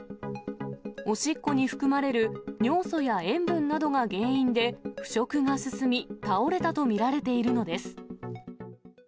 おしっこに含まれる尿素や塩分などが原因で、腐食が進み、倒れたと見られているのです。